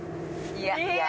いや。いや。